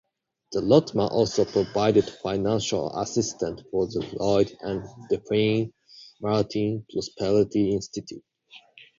The Rotmans also provided financial assistance for the Lloyd and Delphine Martin Prosperity Institute.